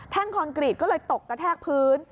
คอนกรีตก็เลยตกกระแทกพื้น